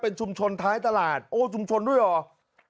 เป็นชุมชนท้ายตลาดโอ้ชุมชนด้วยเหรอ